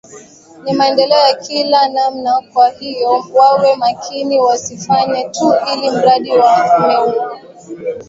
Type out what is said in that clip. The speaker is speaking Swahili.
ni maendeleo ya kila namna kwa hiyo wawe makini wasifanye tu ili mradi wameamua